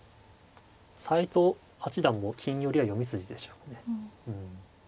斎藤八段も金寄りは読み筋でしょうね。